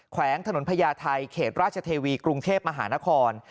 แขวงถนนพญาไทยเขตราชเทวีกรุงเทพมหานคร